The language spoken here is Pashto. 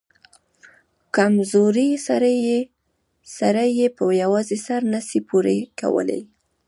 کمزورى سړى يې په يوازې سر نه سي پورې کولاى.